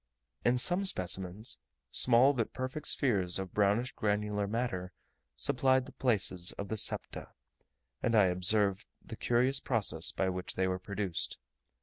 In some specimens, small but perfect spheres of brownish granular matter supplied the places of the septa; and I observed the curious process by which they were produced.